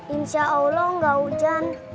insya allah gak hujan